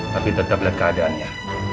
tapi tetap lihat keadaannya